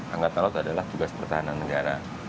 angkatan laut adalah tugas pertahanan negara